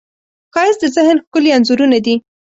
ښایست د ذهن ښکلي انځورونه دي